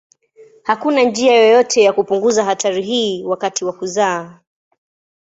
Hakuna njia yoyote ya kupunguza hatari hii wakati wa kuzaa.